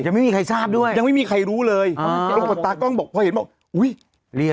ยังไม่มีใครทราบด้วยยังไม่มีใครรู้เลยอ๋อตากล้องบอกพอเห็นว่าอุ้ย